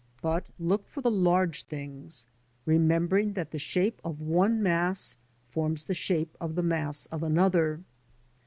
but look for the large things, remembering that the shape of one mass forms the shape of the mass of another.